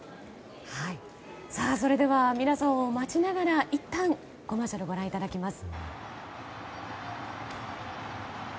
それでは皆さんを待ちながらいったん、コマーシャルご覧いただきます。